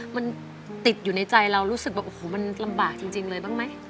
มันติดอยู่ในใจเรารู้สึกว่าโอ้โหมันลำบากจริงเลยบ้างไหม